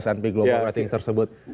smp global rating tersebut